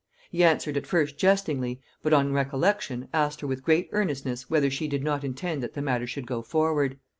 He answered at first jestingly, but, on recollection, asked her with great earnestness, whether she did not intend that the matter should go forward?